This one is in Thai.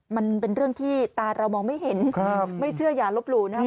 มันเป็นเรื่องที่ตาเรามองไม่เห็นไม่เชื่ออย่าลบหลู่นะครับ